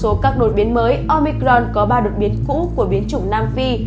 trong số các đột biến mới omicron có ba đột biến cũ của biến chủng nam phi